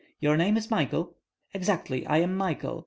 Your name is Michael?" "Exactly; I am Michael.